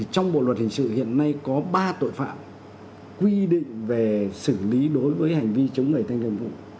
trong bộ luật hình sự hiện nay có ba tội phạm quy định về xử lý đối với hành vi chống người thi hành công vụ